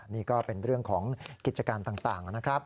นี่ก็เป็นเรื่องของกิจการต่างนะครับ